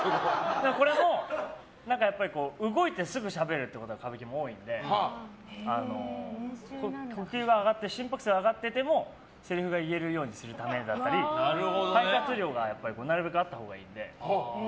これも動いてすぐしゃべるということが歌舞伎も多いので呼吸が上がって心拍数が上がっててもせりふが言えるようにするためだったり肺活量がなるべくあったほうがいいので。